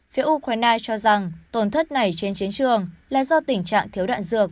phía ukraine cho rằng tổn thất này trên chiến trường là do tình trạng thiếu đạn dược